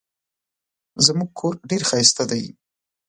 زموږ کور ډېر ښایسته دی.